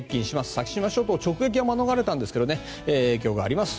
先島諸島、直撃は免れたんですが影響があります。